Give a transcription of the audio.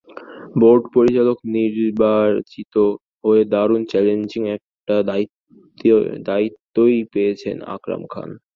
Board পরিচালক নির্বাচিত হয়ে দারুণ চ্যালেঞ্জিং একটা দায়িত্বই পেয়েছেন আকরাম খান।